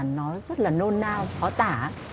nó rất là nôn nao khó tả